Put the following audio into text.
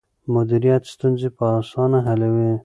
مديريت ستونزې په اسانه حلوي.